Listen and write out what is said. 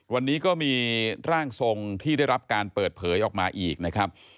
วันนี้ก็มีร่างทรงที่ได้รับการเปิดเผยออกมาอีกนะครับ